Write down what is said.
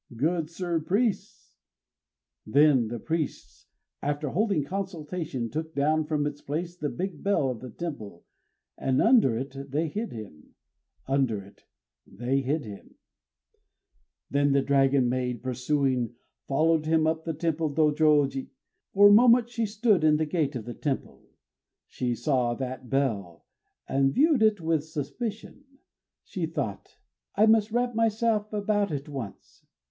"Good sir priests!" Then the priests, after holding consultation, took down from its place the big bell of the temple; and under it they hid him, Under it they hid him. Then the dragon maid, pursuing, followed him to the temple Dôjôji. For a moment she stood in the gate of the temple: she saw that bell, and viewed it with suspicion. She thought: "I must wrap myself about it once."